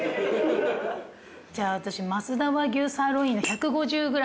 じゃあ私増田和牛サーロインの１５０ｇで。